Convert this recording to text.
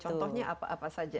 contohnya apa saja